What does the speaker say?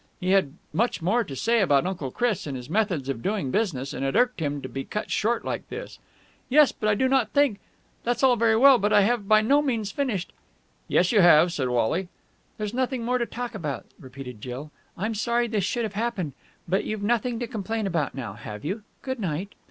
He had much more to say about Uncle Chris and his methods of doing business, and it irked him to be cut short like this. "Yes, but I do not think.... That's all very well, but I have by no means finished...." "Yes, you have," said Wally. "There's nothing more to talk about," repeated Jill. "I'm sorry this should have happened, but you've nothing to complain about now, have you? Good night."